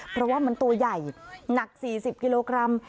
เพราะว่ามันตัวใหญ่หนัก๔๐กิโลกรัม